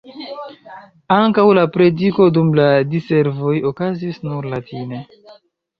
Ankaŭ la prediko dum la diservoj okazis nur latine.